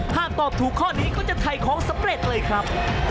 ตอบถูกข้อนี้ก็จะถ่ายของสำเร็จเลยครับ